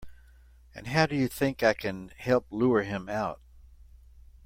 And how do you think I can help lure him out?